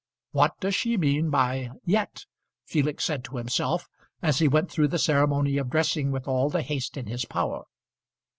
"What does she mean by 'yet'?" Felix said to himself as he went through the ceremony of dressing with all the haste in his power.